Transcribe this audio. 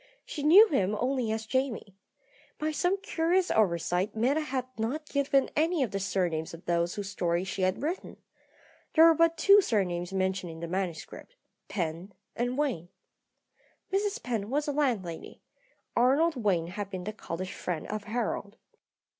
She knew him only as Jamie. By some curious oversight Meta had not given any of the surnames of those whose story she had written. There were but two surnames mentioned in the manuscript, Penn and Wayne. Mrs. Penn was a landlady; Arnold Wayne had been the college friend of Harold.